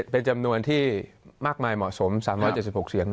เป็นจำนวนที่มากมายเหมาะสม๓๗๖เสียง